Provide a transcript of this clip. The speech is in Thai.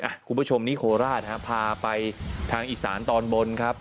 คุณผู้ชมนี่โคราชฮะพาไปทางอีสานตอนบนครับ